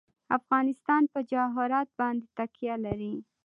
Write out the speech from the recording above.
افغانستان په جواهرات باندې تکیه لري.